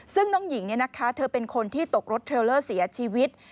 ซึ่งน้องหญิงเธอเป็นคนที่ตกรถเทลเลอร์เสียชีวิต